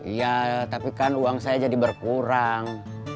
iya tapi kan uang saya jadi berkurang